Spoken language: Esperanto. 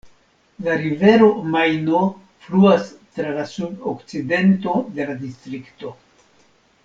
La rivero Majno fluas tra la sud-okcidento de la distrikto.